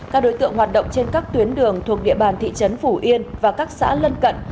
các đối tượng hoạt động trên các tuyến đường thuộc địa bàn thị trấn phủ yên và các xã lân cận